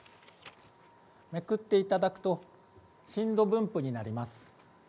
めくっていただくと震度分布になります。